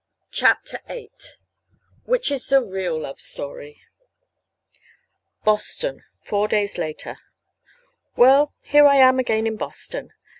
CHAPTER VIII WHICH IS THE REAL LOVE STORY BOSTON. Four days later. Well, here I am again in Boston.